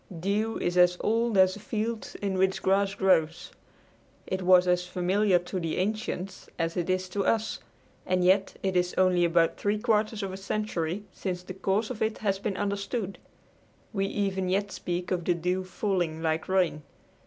Dew is as old as the fields in which grass grows. It was as familiar to the ancients as it is to us, and yet it is only about three quarters of a century since the cause of it has been understood. We even yet speak of the dew "falling" like rain.